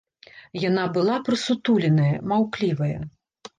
Яна была прысутуленая, маўклівая.